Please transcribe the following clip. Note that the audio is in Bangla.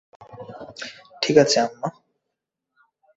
ঠিক আছে আম্মা।